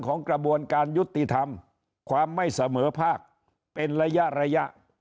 กระบวนการยุติธรรมความไม่เสมอภาคเป็นระยะระยะ